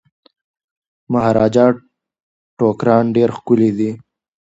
د مهاراجا ټوکران ډیر ښکلي دي.